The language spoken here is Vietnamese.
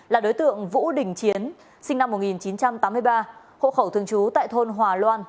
là đối tượng vũ đình chiến sinh năm một nghìn chín trăm tám mươi ba hộ khẩu thường trú tại thôn hòa loan